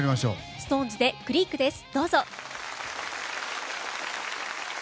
ＳｉｘＴＯＮＥＳで「ＣＲＥＡＫ」です。